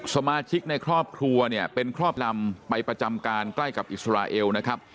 สมาชิกในครอบครัวเนี่ยเป็นครอบลำไปประจำการใกล้กับอิสราเอลนะครับ